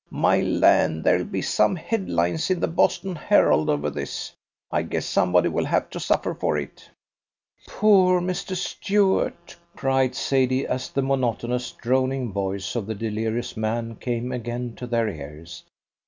My land, there'll be some head lines in the Boston Herald over this! I guess somebody will have to suffer for it." "Poor Mr. Stuart!" cried Sadie, as the monotonous droning voice of the delirious man came again to their ears.